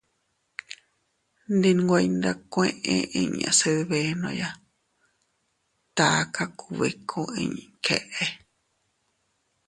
Ndi nweiyndakueʼe inña se dbenoya taka kubikuu iña keʼe.